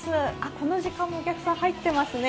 この時間もお客さん、入っていますね。